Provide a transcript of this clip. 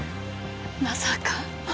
まさか？